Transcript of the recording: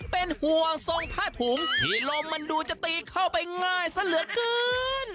เป็นห่วงทรงผ้าถุงที่ลมมันดูจะตีเข้าไปง่ายซะเหลือเกิน